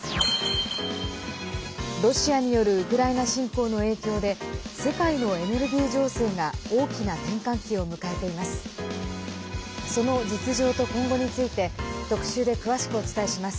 ロシアによるウクライナ侵攻の影響で世界のエネルギー情勢が大きな転換期を迎えています。